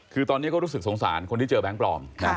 คือตอนนี้เขารู้สึกสงสารคนที่เจอแบงค์ปลอม